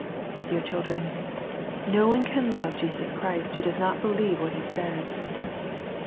Dear children, no one can love Jesus Christ who does not believe what He says.